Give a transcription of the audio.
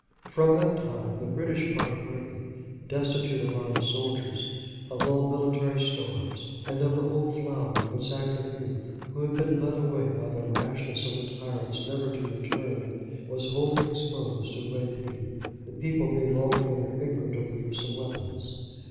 From that time, the British part of Britain, destitute of armed soldiers, of all military stores, and of the whole flower of its active youth, who had been led away by the rashness of the tyrants never to return, was wholly exposed to rapine, the people being altogether ignorant of the use of weapons.